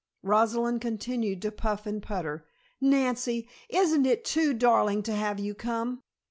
Rosalind continued to puff and putter. "Nancy! Isn't it too darling to have you come?"